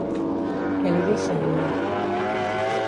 Què li deixa ella?